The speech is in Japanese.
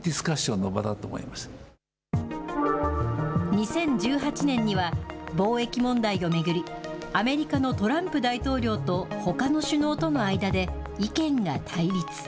２０１８年には、貿易問題を巡り、アメリカのトランプ大統領とほかの首脳との間で、意見が対立。